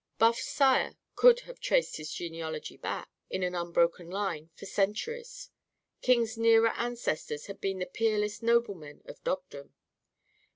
Buff's sire could have traced his genealogy back, in an unbroken line, for centuries. King's nearer ancestors had been the peerless noblemen of dogdom.